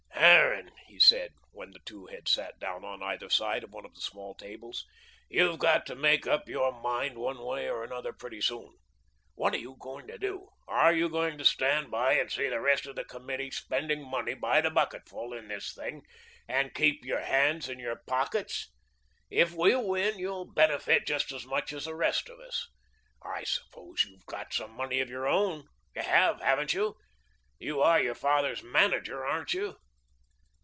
"Harran," he said, when the two had sat down on either side of one of the small tables, "you've got to make up your mind one way or another pretty soon. What are you going to do? Are you going to stand by and see the rest of the Committee spending money by the bucketful in this thing and keep your hands in your pockets? If we win, you'll benefit just as much as the rest of us. I suppose you've got some money of your own you have, haven't you? You are your father's manager, aren't you?"